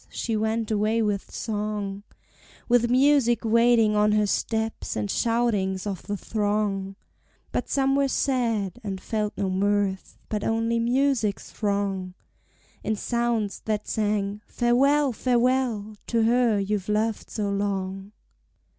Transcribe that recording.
she went away with song, With music waiting on her steps, and shoutings of the throng; But some were sad, and felt no mirth, but only Music's wrong, In sounds that sang Farewell, Farewell to her you've loved so long.